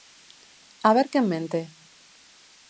¿A ver quen mente?